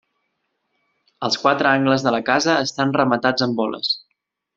Els quatre angles de la casa estan rematats amb boles.